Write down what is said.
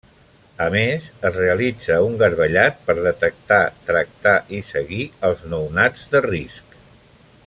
A més, es realitza un garbellat per detectar, tractar i seguir els nounats de risc.